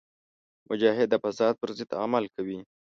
مجاهد د فساد پر ضد عمل کوي.